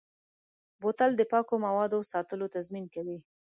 بوتل د پاکو موادو ساتلو تضمین کوي.